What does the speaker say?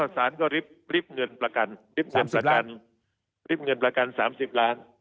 สารก็ริบเงินประกัน๓๐ล้าน